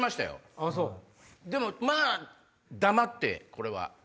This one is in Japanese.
でもまぁ黙ってこれは。